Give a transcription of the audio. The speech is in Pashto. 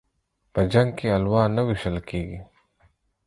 په جنگ کې الوا نه ويشل کېږي.